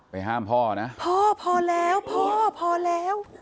ห้ามพ่อนะพ่อพอแล้วพ่อพอแล้ว